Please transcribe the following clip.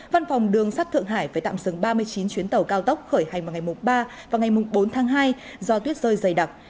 văn phòng đường sắt thượng hải phải tạm dừng ba mươi chín chuyến tàu cao tốc khởi hành vào ngày ba và ngày bốn tháng hai do tuyết rơi dày đặc